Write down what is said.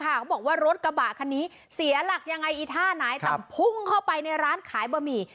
เขาบอกว่ารถกระบะคันนี้เสียหลักยังไงอีท่าไหนแต่พุ่งเข้าไปในร้านขายบะหมี่